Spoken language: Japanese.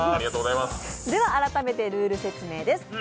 では改めてルール説明です。